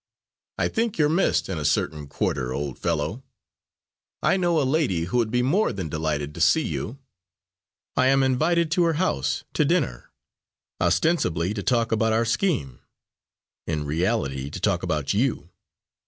"I think you're missed in a certain quarter, old fellow. I know a lady who would be more than delighted to see you. I am invited to her house to dinner, ostensibly to talk about our scheme, in reality to talk about you.